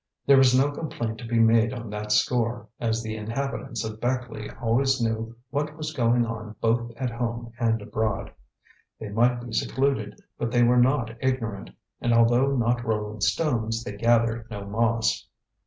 There was no complaint to be made on that score, as the inhabitants of Beckleigh always knew what was going on both at home and abroad. They might be secluded, but they were not ignorant, and although not rolling stones, they gathered no moss.